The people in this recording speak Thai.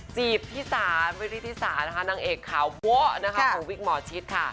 จีบพี่สาเวรีที่สานะคะนางเอกขาวนะคะโอ้วิกหมอชิดค่ะ